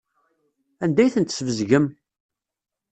Anda ay tent-tesbezgem?